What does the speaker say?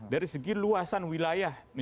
dari segi luasan wilayah